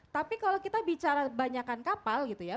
tapi kalau kita bicara banyakan kapal gitu ya